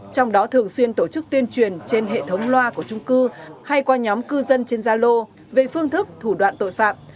trong đó thường xuyên tổ chức tuyên truyền trên hệ thống loa của trung cư hay qua nhóm cư dân trên gia lô về phương thức thủ đoạn tội phạm